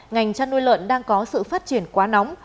ngành chăn nuôi lợn đang có sự phát triển quá nóng